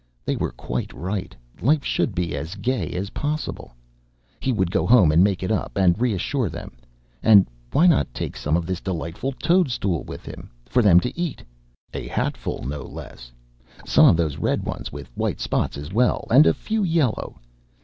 They were quite right; life should be as gay as possible. He would go home and make it up, and reassure them. And why not take some of this delightful toadstool with him, for them to eat? A hatful, no less. Some of those red ones with white spots as well, and a few yellow.